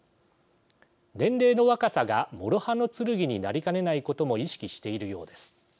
年齢の若さがもろ刃の剣になりかねないことも意識しているようです。